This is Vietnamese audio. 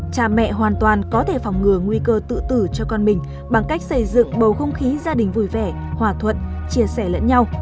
cha mẹ hoàn toàn có thể phòng ngừa nguy cơ tự tử cho con mình bằng cách xây dựng bầu không khí gia đình vui vẻ hòa thuận chia sẻ lẫn nhau